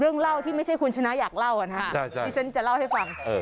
เรื่องเล่าที่ไม่ใช่คุณชนะอยากเล่านะฮะใช่ที่ฉันจะเล่าให้ฟังเออ